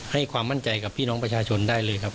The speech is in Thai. ให้ความมั่นใจกับพี่น้องประชาชนได้เลยครับ